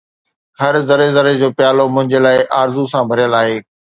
هر ذري ذري جو پيالو منهنجي لاءِ آرزو سان ڀريل آهي